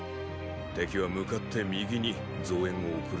敵は向かって右に増援を送るだろう。